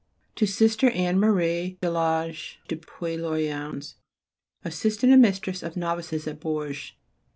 _To Sister Anne Marie de Lage de Puylaurens, Assistant and Mistress of Novices at Bourges.